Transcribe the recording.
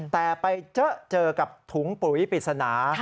แต่ไปเจอกับถุงปุ๋ยปริศนา